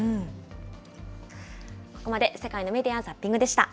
ここまで、世界のメディア・ザッピングでした。